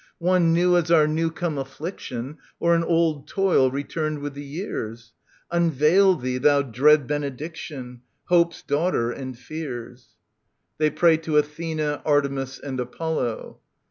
One new as our new come affliction, Or an old toil returned with the years ? Unveil thee, thou dread benediction, Hope's daughter and Fear*s. [They pray to Athena, Artemis, and Apollo.